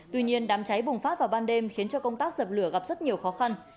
tuy nhiên đám cháy bùng phát vào ban đêm khiến cho công tác dập lửa gặp rất nhiều khó khăn